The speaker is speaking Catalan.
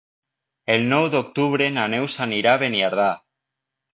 El nou d'octubre na Neus anirà a Beniardà.